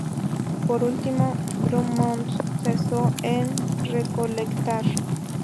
Por último Drummond cesó en recolectar.